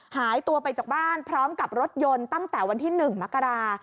หายตัวไปจากบ้านพร้อมกับรถยนต์ตั้งแต่วันที่๑มกรา